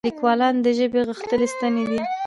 لیکوالان د ژبې غښتلي ستني دي.